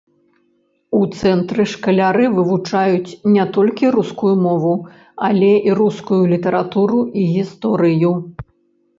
У цэнтры шкаляры вывучаюць не толькі рускую мову, але і рускую літаратуру і гісторыю.